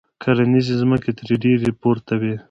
کرنیزې ځمکې ترې ډېرې پورته وې.